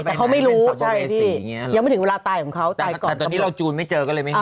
แต่เขาไม่รู้ใช่พี่ยังไม่ถึงเวลาตายของเขาตายก่อนตอนนี้เราจูนไม่เจอกันเลยไหมครับ